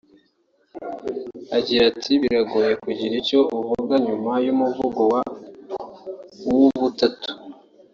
Agira ati “Biragoye kugira icyo uvuga nyuma y’umuvugo wa Uwubutatu